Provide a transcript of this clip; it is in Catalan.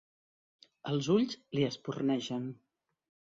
Els ulls li espurnegen.